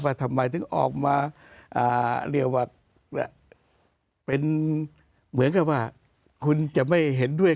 ทำไมถึงออกมาเรียกว่าเป็นเหมือนกับว่าคุณจะไม่เห็นด้วย